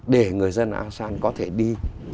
để người dân asean có thể đi